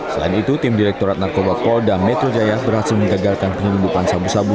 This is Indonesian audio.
selain itu tim direkturat narkoba kol dan metro jaya berhasil menggagalkan penyembuhan sabu sabu